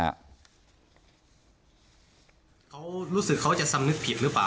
เขารู้สึกเขาจะสำนึกผิดหรือเปล่า